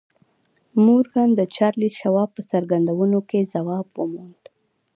مورګان د چارلیس شواب په څرګندونو کې ځواب وموند